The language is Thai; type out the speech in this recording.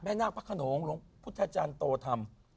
แม่นาคพระขนมพุทธจารย์โตธรรม